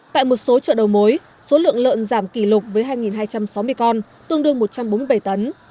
tại một số chợ đầu mối số lượng lợn giảm kỷ lục với hai hai trăm sáu mươi con tương đương một trăm bốn mươi bảy tấn